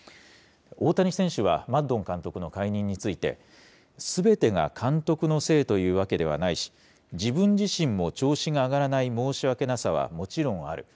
大谷選手は、マッドン監督の解任について、すべてが監督のせいというわけではないし、自分自身も調子が上がらない申し訳なさはもちろんある。